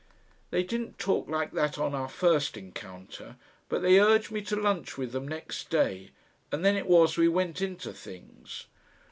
They didn't talk like that on our first encounter, but they urged me to lunch with them next day, and then it was we went into things.